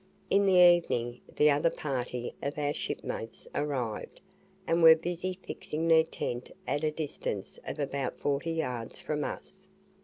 In the evening the other party of our shipmates arrived, and were busy fixing their tent at a distance of about forty yards from us.